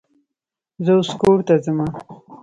زه اوس کور ته ځمه.